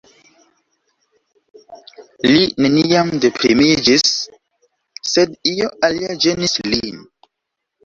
Li neniam deprimiĝis, sed io alia ĝenis lin.